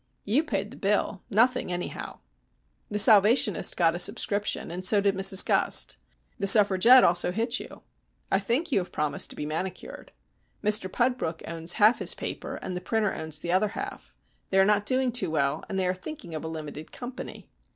"You paid the bill. Nothing, anyhow." "The Salvationist got a subscription, and so did Mrs Gust. The Suffragette also hit you. I think you have promised to be manicured. Mr Pudbrook owns half his paper, and the printer owns the other half. They are not doing too well, and they are thinking of a limited company.